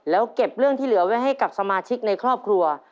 แล้วเก็บเรื่องที่เหลือไว้ให้กับสมาชิกในครอบครัว